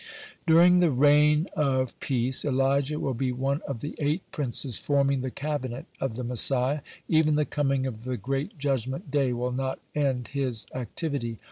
(116) During the reign of peace, Elijah will be one of the eight princes forming the cabinet of the Messiah. (117) Even the coming of the great judgment day will not end his activity.